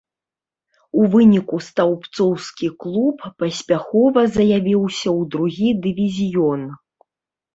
У выніку стаўбцоўскі клуб паспяхова заявіўся ў другі дывізіён.